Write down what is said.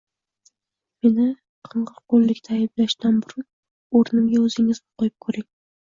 Meni qing‘irqo‘llikda ayblashdan burun o‘rnimga o‘zingizni qo‘yib ko‘ring